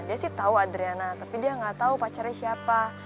dia sih tau adriana tapi dia gak tau pacarnya siapa